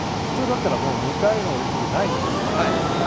普通だったら２回目のオリンピックはないですから。